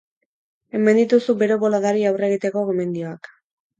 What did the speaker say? Hemen dituzu bero boladari aurre egiteko gomendioak.